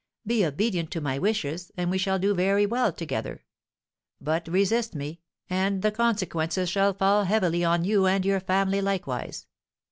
Be obedient to my wishes and we shall do very well together; but resist me, and the consequences shall fall heavily on you, and your family likewise.'